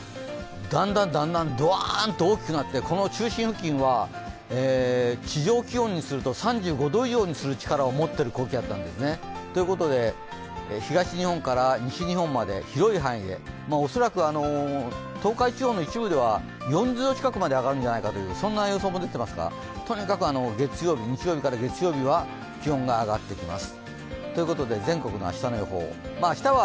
だんだんだんだん、どわーんと大きくなっていって中心付近は地上気温にすると３５度以上にする力を持っている高気圧なんですね。ということで、東日本から西日本まで広い範囲で、恐らく東海地方の一部では４０度近くまで上がるというそんな予想も出ていますが、とにかく日曜日から月曜日は気温が上がってきます。